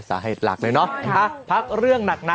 รักษาเหตุกันเนาะนักพระภาพเรื่องหนัก